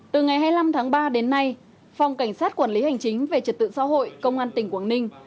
từ ngày hai mươi năm tháng ba đến nay phòng cảnh sát quản lý hành chính về trật tự xã hội công an tỉnh quảng ninh